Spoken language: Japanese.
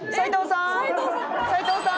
斉藤さん？